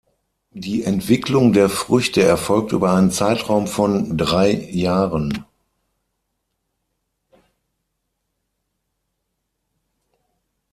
Die Entwicklung der Früchte erfolgt über einen Zeitraum von drei Jahren.